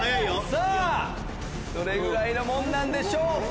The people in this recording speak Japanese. さぁどれぐらいなんでしょうか？